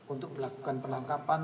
untuk melakukan penangkapan